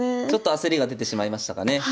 ちょっと焦りが出てしまいましたかね。